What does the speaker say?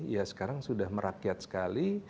ya sekarang sudah merakyat sekali